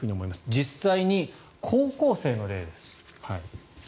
実際に高校生の例です。